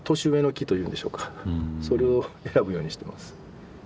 それを選ぶようにしてます。